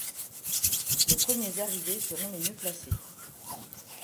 Les premiers arrivés seront les mieux placés.